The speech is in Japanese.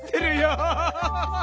アハハハハ！